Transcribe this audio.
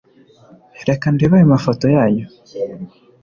Reka ndebe ayo mafoto yanyu.